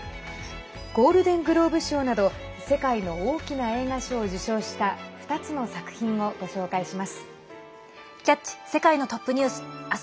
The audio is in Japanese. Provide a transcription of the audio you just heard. ゴールデングローブ賞など世界の大きな映画賞を受賞した２つの作品をご紹介します。